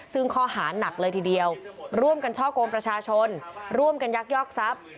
ซึ่งข้อหานักเลยทีเดียวร่วมกันช่อกงประชาชนร่วมกันยักยอกทรัพย์